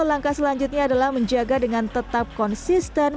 langkah selanjutnya adalah menjaga dengan tetap konsisten